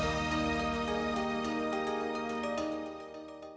lalu lalang transportasi super cepat terus mengisi ruas jalan jalan ibu kota